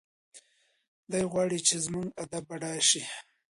دی غواړي چې زموږ ادب بډایه شي.